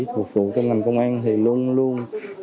thuộc vụ trong ngành công an thì luôn luôn